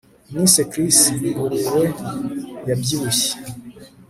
Nise Chris ingurube yabyibushye